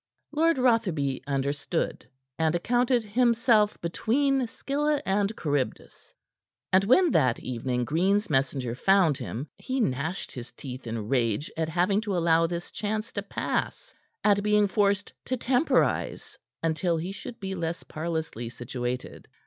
Lord Rotherby understood, and accounted himself between Scylla and Charybdis, and when that evening Green's messenger found him, he gnashed his teeth in rage at having to allow this chance to pass, at being forced to temporize until he should be less parlously situated.